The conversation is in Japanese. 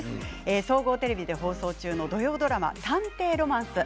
総合テレビで放送中の土曜ドラマ「探偵ロマンス」です。